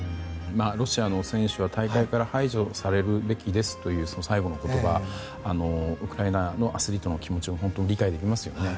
ロシアの選手は大会から排除されるべきですという最後の言葉や、ウクライナのアスリートの気持ちも本当に理解できますよね。